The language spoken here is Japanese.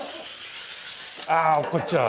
あ落っこっちゃう。